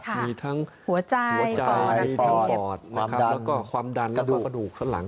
มีทั้งหัวใจปอดแล้วก็ความดันแล้วก็กระดูกซ้อนหลัง